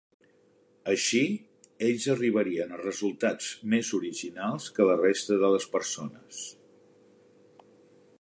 Així, ells arribarien a resultats més originals que la resta de les persones.